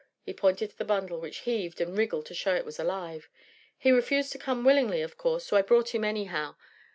He pointed to the bundle, which heaved and wriggled to show it was alive. "He refused to come willingly, of course; so I brought him anyhow.